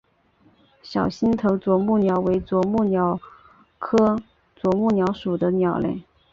小星头啄木鸟为啄木鸟科啄木鸟属的鸟类。